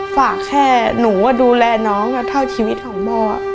ฝากแค่หนูดูแลน้องเท่าชีวิตของพ่อ